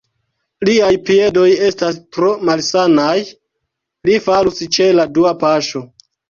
Liaj piedoj estas tro malsanaj: li falus ĉe la dua paŝo.